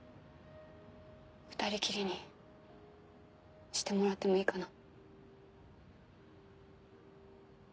２人きりにしてもらってもいいかな。